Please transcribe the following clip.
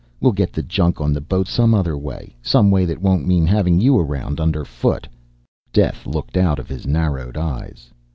We'll get the junk on the boat some other way, some way that won't mean having you around under foot." Death looked out of his narrowed eyes.